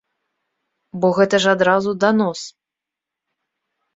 Бо гэта ж адразу данос.